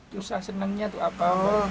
susah senangnya tuh apa